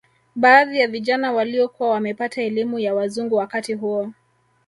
Baadhi ya Vijana waliokuwa wamepata elimu ya wazungu wakati huo